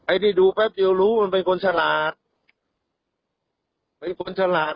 ที่ดูแป๊บเดียวรู้มันเป็นคนฉลาดเป็นคนฉลาด